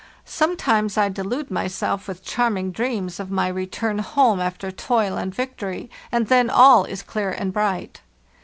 Sometimes I de lude myself with charming dreams of my return home after toil and victory, and then all is clear and bright.